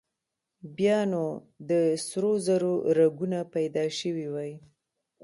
بيا نو د سرو زرو رګونه پيدا شوي وای.